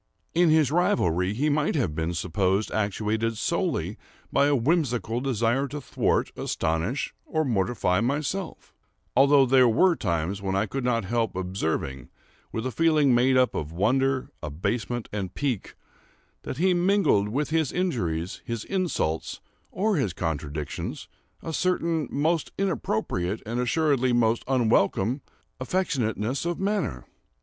In his rivalry he might have been supposed actuated solely by a whimsical desire to thwart, astonish, or mortify myself; although there were times when I could not help observing, with a feeling made up of wonder, abasement, and pique, that he mingled with his injuries, his insults, or his contradictions, a certain most inappropriate, and assuredly most unwelcome affectionateness of manner.